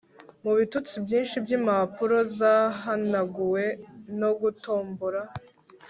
Mubitutsi byinshi byimpapuro zahanaguwe no gutombora